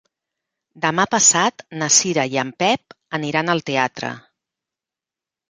Demà passat na Cira i en Pep aniran al teatre.